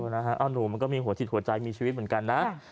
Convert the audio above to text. เอาหนูมันก็มีหัวสิทธิ์หัวใจมีชีวิตเหมือนกัน